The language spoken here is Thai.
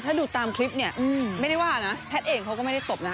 ถ้าดูตามคลิปเนี่ยไม่ได้ว่านะแพทย์เองเขาก็ไม่ได้ตบนะ